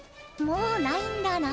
もうないんだな。